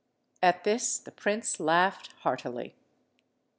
At this the prince laughed heartily.